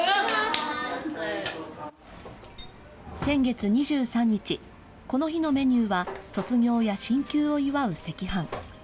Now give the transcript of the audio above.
先月２３日、この日のメニューは卒業や進級を祝う赤飯。